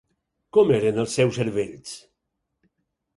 Com eren els seus cervells?